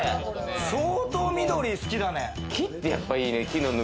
相当、緑、好きだね。